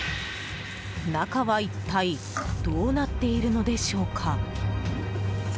中は一体どうなっているのでしょうか。